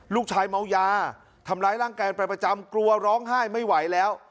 เมายาทำร้ายร่างกายไปประจำกลัวร้องไห้ไม่ไหวแล้ว